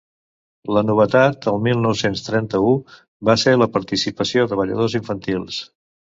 La novetat el mil nou-cents trenta-u va ser la participació de balladors infantils.